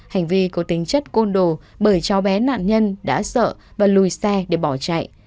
hành vi có tính chất côn đồ bởi cháu bé nạn nhân đã sợ và lùi xe để bỏ chạy